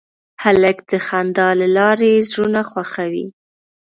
هلک د خندا له لارې زړونه خوښوي.